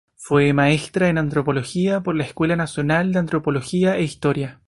Fue maestra en antropología por la Escuela Nacional de Antropología e Historia.